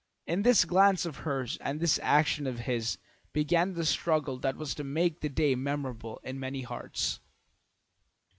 In this glance of hers and this action of his began the struggle that was to make that day memorable in many hearts.